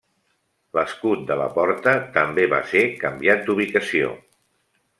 L'escut de la porta també va ser canviat d'ubicació.